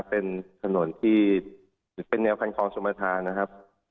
เป็นถนนที่ถือเป็นแนวคันคลองชมประธานนะครับ